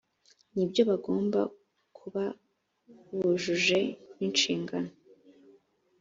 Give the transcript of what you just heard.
nibyo bagomba kubabujuje n’inshingano